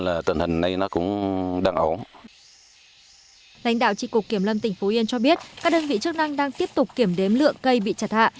lãnh đạo trị cục kiểm lâm tỉnh phú yên cho biết các đơn vị chức năng đang tiếp tục kiểm đếm lượng cây bị chặt hạ